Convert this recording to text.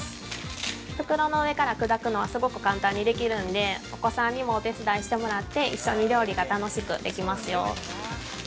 袋の上から砕くのはすごく簡単にできるんでお子さんにもお手伝いしてもらって一緒に料理が楽しくできますよ。